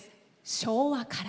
「昭和から」。